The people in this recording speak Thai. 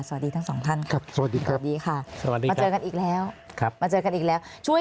สวัสดีทั้งสองท่านค่ะมาเจอกันอีกแล้ว